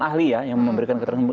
ahli ya yang memberikan keterangan